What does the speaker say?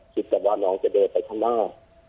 แต่ว่าน้องจะเดินไปข้างหน้า